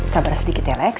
sabar sedikit ya lex